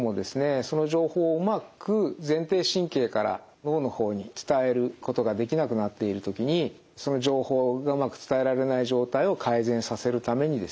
その情報をうまく前庭神経から脳の方に伝えることができなくなっている時にその情報をうまく伝えられない状態を改善させるためにですね